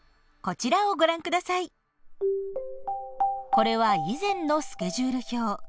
これは以前のスケジュール表。